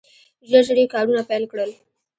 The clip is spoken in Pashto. ژر ژر یې کارونه پیل کړل.